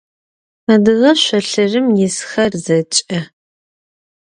Адыгэ шъолъырым исхэр зэкӏэ.